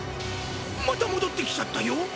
また戻ってきちゃったよ。